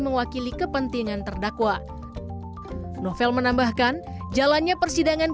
mewakili kepentingan terdakwa novel menambahkan jalannya persidangan